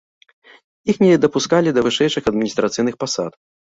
Іх не дапускалі да вышэйшых адміністрацыйных пасад.